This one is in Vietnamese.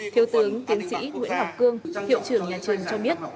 thiếu tướng tiến sĩ nguyễn ngọc cương hiệu trưởng nhà trường cho biết